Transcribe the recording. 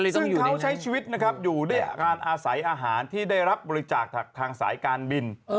ซึ่งเขาใช้ชีวิตนะครับอยู่ด้วยการอาศัยอาหารที่ได้รับบริจาคจากทางสายการบิน